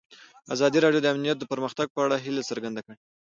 ازادي راډیو د امنیت د پرمختګ په اړه هیله څرګنده کړې.